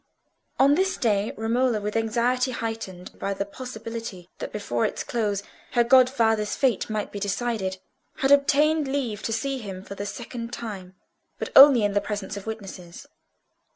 On this day Romola, with anxiety heightened by the possibility that before its close her godfather's fate might be decided, had obtained leave to see him for the second time, but only in the presence of witnesses.